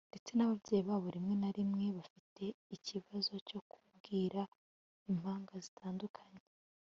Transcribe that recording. ndetse n'ababyeyi babo rimwe na rimwe bafite ikibazo cyo kubwira impanga zitandukanye